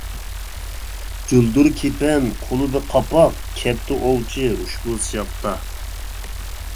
جۇلدۇر كېپەن، قولىدا قاپاق، كەپتۇ ئوۋچى ئۇشبۇ سىياقتا.